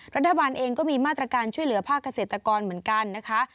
รัฐบาลเองก็มีมาตรการช่วยเหลือภาคเกษตรกรเหมือนกันนะคะ